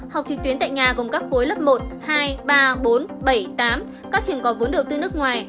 học trực tuyến tại nhà gồm các khối lớp một hai ba bốn bảy tám các trường có vốn đầu tư nước ngoài